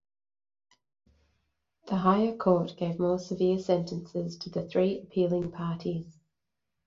The higher court gave more severe sentences to the three appealing parties.